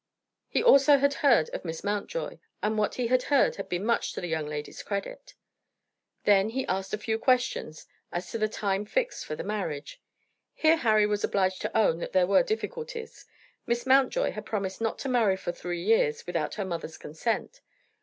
He also had heard of Miss Mountjoy, and what he had heard had been much to the "young lady's credit." Then he asked a few questions as to the time fixed for the marriage. Here Harry was obliged to own that there were difficulties. Miss Mountjoy had promised not to marry for three years without her mother's consent.